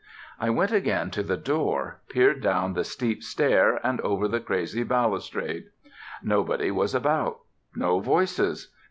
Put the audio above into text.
I went again to the door, peered down the steep stair and over the crazy balustrade. Nobody was about; no voices.